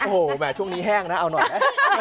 โอ้โหแห่ช่วงนี้แห้งนะเอาหน่อยนะ